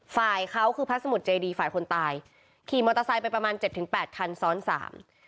ฝ่ายเขาคือพระสมุทรเจดีฝ่ายคนตายขี่มอเตอร์ไซค์ไปประมาณเจ็ดถึงแปดคันซ้อนสาม